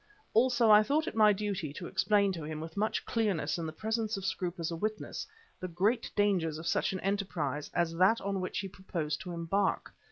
Also I thought it my duty to explain to him with much clearness in the presence of Scroope as a witness, the great dangers of such an enterprise as that on which he proposed to embark.